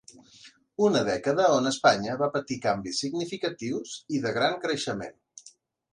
Una dècada on Espanya va patir canvis significatius i de gran creixement.